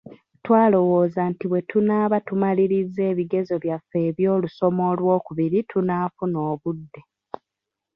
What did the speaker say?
Twalowooza nti bwe tunaaba tumalirizza ebigezo byaffe eby’olusoma olwokubiri tunaafuna obudde.